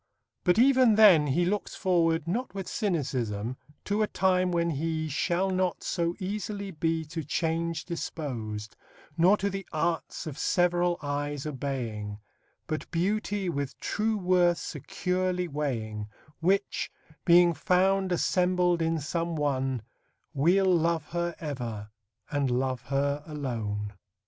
But even then he looks forward, not with cynicism, to a time when he Shall not so easily be to change dispos'd, Nor to the arts of several eyes obeying; But beauty with true worth securely weighing, Which, being found assembled in some one, We'll love her ever, and love her alone.